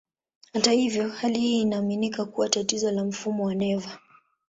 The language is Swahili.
Hata hivyo, hali hii inaaminika kuwa tatizo la mfumo wa neva.